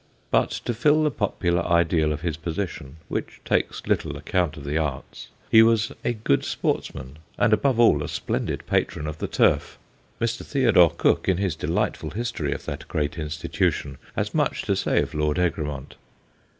But, to fill the popular ideal of his position (which takes little account of the arts) he was a good sportsman, and, above all, a splendid patron of the turf. Mr. Theodore Cook, in his de lightful history of that great institution, has much to say of Lord Egremont.